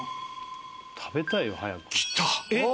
食べたいよ早くきたえっ